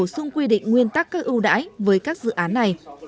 các nhà đầu tư cũng quy định nguyên tắc cơ ưu đãi với các dự án này